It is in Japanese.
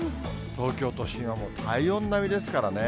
東京都心はもう体温並みですからね。